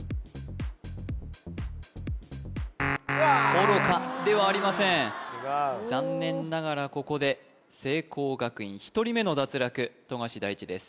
おろかではありません残念ながらここで聖光学院１人目の脱落富樫大地です